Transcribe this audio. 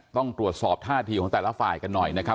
ต้องตรวจสอบท่าทีของแต่ละฝ่ายกันหน่อยนะครับ